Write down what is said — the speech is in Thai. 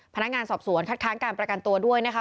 พนักงานสอบสวนคัดค้านการประกันตัวด้วยนะคะ